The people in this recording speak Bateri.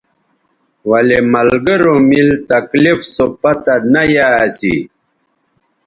ولے ملگروں میل تکلیف سو پتہ نہ یا اسی